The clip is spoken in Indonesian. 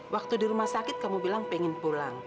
waktu di rumah sakit kamu bilang pengen pulang